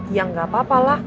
ya nggak apa apa lah